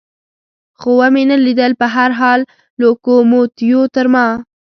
خو مې و نه لیدل، په هر حال لوکوموتیو تر ما.